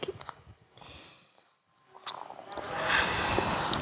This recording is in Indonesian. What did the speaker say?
kiki perdoa lo semua ya